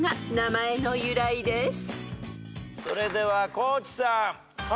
それでは地さん。